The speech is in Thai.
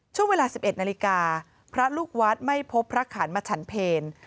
ช่วงเวลา๑๑นาฬิกาพระลูกวัดไม่พบพระขันมาฉันเพล